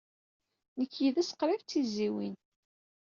Nekk yid-s qrib d tizzyiwin.